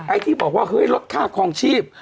ไอ้ที่บอกว่าเลือกค่าของชีพ